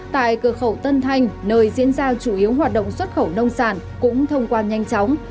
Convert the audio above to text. tại cửa khẩu tân thanh nơi diễn ra chủ yếu hoạt động xuất khẩu nông sản cũng thông quan nhanh chóng